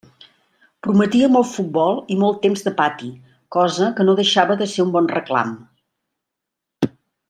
Prometia molt futbol i molt temps de pati, cosa que no deixava de ser un bon reclam.